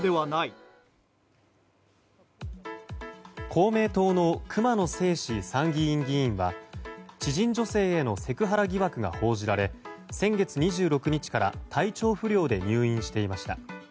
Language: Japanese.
公明党の熊野正士参議院議員は知人女性へのセクハラ疑惑が報じられ先月２６日から体調不良で入院していました。